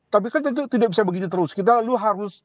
tapi kan tentu tidak bisa begini terus kita lalu harus